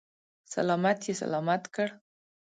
سلامت یې سلامت کړ.